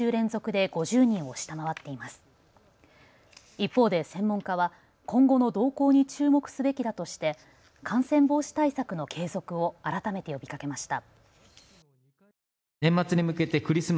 一方で専門家は今後の動向に注目すべきだとして感染防止対策の継続を改めて呼びかけました。